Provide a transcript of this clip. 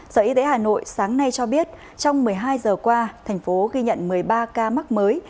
sở y tế hà nội sáng nay cho biết trong một mươi hai giờ qua thành phố ghi nhận một mươi ba ca mắc mới